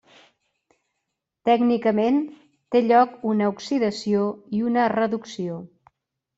Tècnicament té lloc una oxidació i una reducció.